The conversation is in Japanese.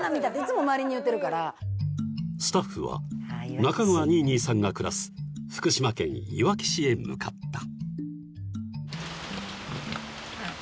［スタッフは中川にぃにぃさんが暮らす福島県いわき市へ向かった］